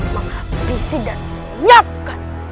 menghabisi dan menyiapkan